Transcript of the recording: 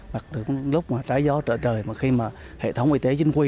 mặc dù lúc trái gió trở trời mà khi mà hệ thống y tế chính quy